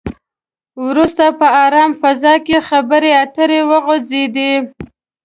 وروسته په ارامه فضا کې خبرې اترې وغځېدې.